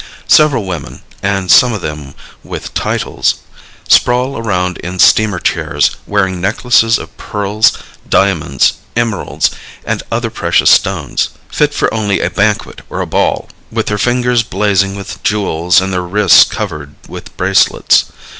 Several women, and some of them with titles, sprawl around in steamer chairs, wearing necklaces of pearls, diamonds, emeralds and other precious stones, fit for only a banquet or a ball, with their fingers blazing with jewels and their wrists covered with bracelets.